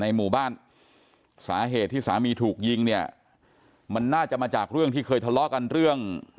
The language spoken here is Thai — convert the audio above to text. หมู่บ้านสาเหตุที่สามีถูกยิงเนี่ยมันน่าจะมาจากเรื่องที่เคยทะเลาะกันเรื่อง